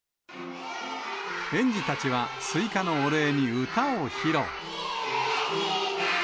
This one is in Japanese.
園児たちは、スイカのお礼に歌を披露。